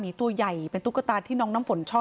คุณยายบอกว่ารู้สึกเหมือนใครมายืนอยู่ข้างหลัง